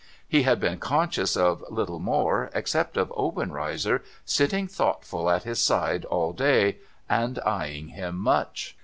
He had been conscious of little more, except of Obenreizer sitting thoughtful at his side all day, and eyeing him much.